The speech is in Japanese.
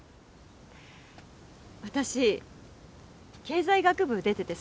私経済学部出ててさ。